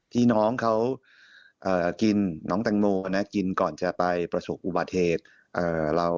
ที่น้องเขากินน้องแตงโมนะกินก่อนจะไปประสบอุบัติเหตุ